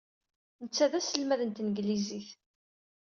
Netta d aselmad n tanglizit.